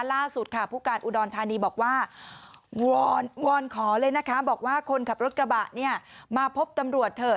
ล่าสุดค่ะผู้การอุดรธานีบอกว่าวอนขอเลยนะคะบอกว่าคนขับรถกระบะเนี่ยมาพบตำรวจเถอะ